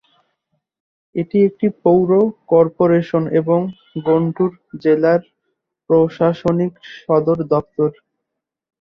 এটি একটি পৌর কর্পোরেশন এবং গুন্টুর জেলার প্রশাসনিক সদর দপ্তর।